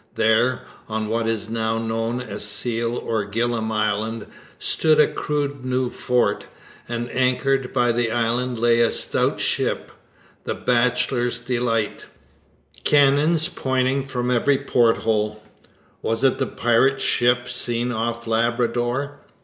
There, on what is now known as Seal or Gillam Island, stood a crude new fort; and anchored by the island lay a stout ship the Bachelor's Delight cannons pointing from every porthole. Was it the pirate ship seen off Labrador?